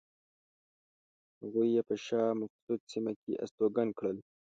هغوی یې په شاه مقصود سیمه کې استوګن کړل.